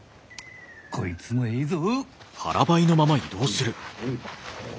こいつもえいぞ！